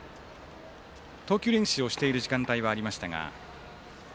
投球練習をしている時間帯はありましたが。